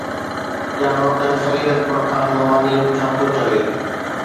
ڄاڻو ته سعيد اڪبر خان نواني ڇا ٿو چوي